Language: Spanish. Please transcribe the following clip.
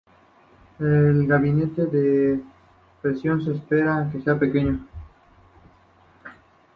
El gradiente de presión se espera que sea pequeño.